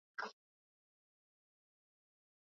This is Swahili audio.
Uhamisho wake wa mwaka wa elfu mbili na moja